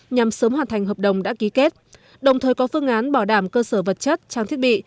nhằm sớm hoàn thành hợp đồng đã ký kết đồng thời có phương án bảo đảm cơ sở vật chất trang thiết bị